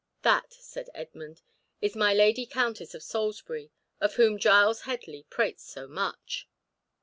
"That," said Edmund, "is my Lady Countess of Salisbury, of whom Giles Headley prates so much."